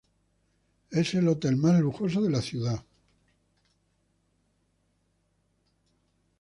Es el hotel más lujoso de la ciudad.